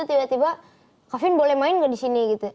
tiba tiba kavin boleh main gak disini